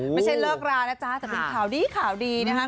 ไม่ใช่เลิกรานะจ๊ะแต่เป็นข่าวดีข่าวดีนะคะ